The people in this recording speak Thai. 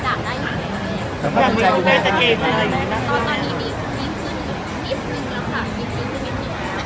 ช่องความหล่อของพี่ต้องการอันนี้นะครับ